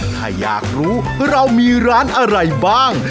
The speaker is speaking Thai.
ถ้าอยากรู้เรามีร้านอะไรบ้าง